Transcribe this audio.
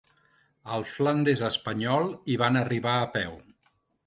Al Flandes espanyol hi van arribar a peu.